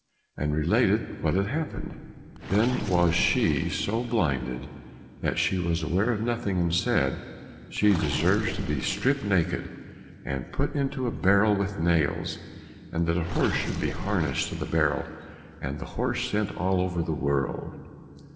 and related what had happened. Then was she so blinded that she was aware of nothing and said, "She deserves to be stripped naked, and put into a barrel with nails, and that a horse should be harnessed to the barrel, and the horse sent all over the world."